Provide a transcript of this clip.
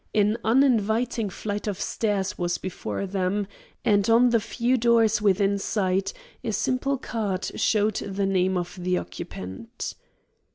An uninviting flight of stairs was before them; and on the few doors within sight a simple card showed the name of the occupant.